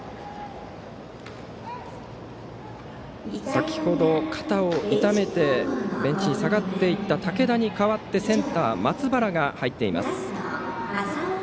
先ほど、肩を痛めてベンチに下がっていた武田に代わってセンター、松原が入っています。